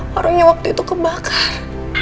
warungnya waktu itu kebakar